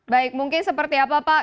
baik mungkin seperti apa pak